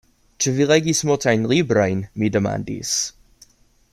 Ĉu vi legis multajn librojn? mi demandis.